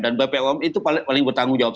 dan bpom itu paling bertanggung jawab